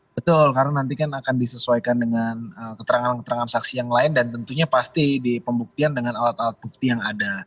betul karena nanti kan akan disesuaikan dengan keterangan keterangan saksi yang lain dan tentunya pasti di pembuktian dengan alat alat bukti yang ada